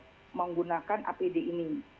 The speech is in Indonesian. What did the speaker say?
jadi kita harus menggunakan apd ini